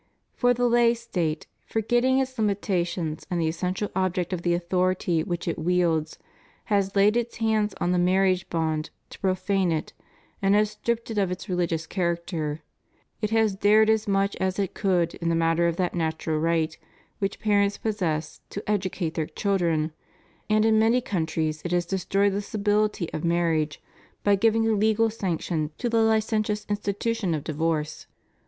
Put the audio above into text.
For the lay State, forgetting its limi tations and the essential object of the authority which it wields, has laid its hands on the marriage bond to pro fane it and has stripped it of its rehgious character; it has dared as much as it could in the matter of that natural right which parents posses to educate their children, and in many countries it has destroyed the stability of marriage by giving a legal sanction to the Hcentious insti 562 REVIEW OF HIS PONTIFICATE. tution of divorce.